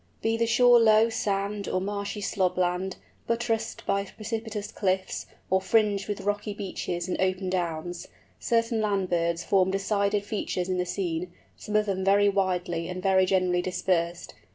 Be the shore low sand or marshy slob land, buttressed by precipitous cliffs, or fringed with rocky beaches and open downs, certain land birds form decided features in the scene, some of them very widely and very generally dispersed.